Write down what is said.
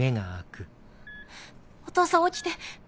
お父さん起きて！